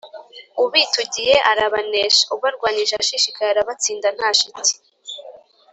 ubitugiye arabanesha: ubarwanyije ashishikaye arabatsinda nta shiti